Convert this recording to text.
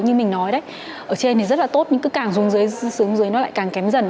như mình nói đấy ở trên thì rất là tốt nhưng cứ càng xuống dưới xuống dưới nó lại càng kém dần